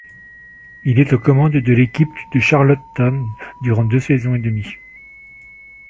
Il est aux commandes de l’équipe de Charlottetown durant deux saisons et demie.